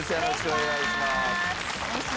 お願いします。